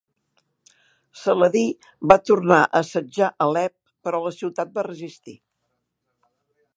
Saladí va tornar a assetjar Alep però la ciutat va resistir.